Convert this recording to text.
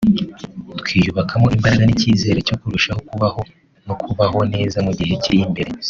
twiyubakamo imbaraga n’icyizere cyo kurushaho kubaho no kubaho neza mu gihe kiri imbere